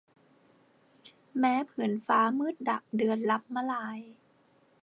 แม้ผืนฟ้ามืดดับเดือนลับมลาย